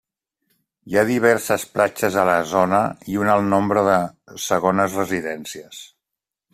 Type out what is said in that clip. Hi ha diverses platges a la zona i un alt nombre de segones residències.